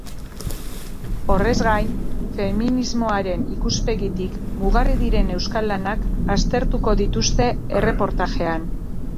Horrez gain, feminismoaren ikuspegitik mugarri diren euskal lanak aztertuko dituzte erreportajean.